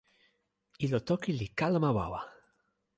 ilo toki li kalama wawa.